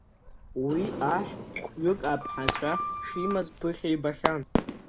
Уи аҳ хәҩык аԥҳацәа шимаз ԥыхьа ибахьан.